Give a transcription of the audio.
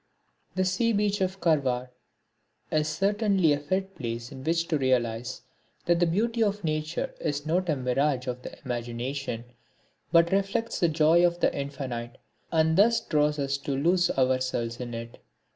The sea beach of Karwar is certainly a fit place in which to realise that the beauty of Nature is not a mirage of the imagination, but reflects the joy of the Infinite and thus draws us to lose ourselves in it.